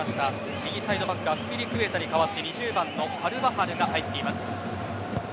右サイドバックアスピリクエタに代わって２０番のカルヴァハルが入っています。